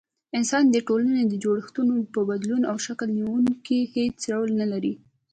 انسان د ټولني د جوړښتونو په بدلون او شکل نيوني کي هيڅ رول نلري